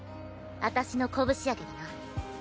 私の拳やけどな。